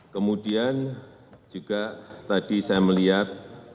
kemudian juga tadi saya melihat